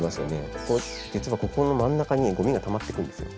ここ実はここの真ん中にごみがたまっていくんですよ。